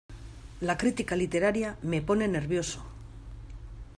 ¡La crítica literaria me pone nervioso!